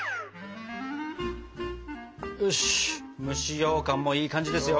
よし蒸しようかんもいい感じですよ！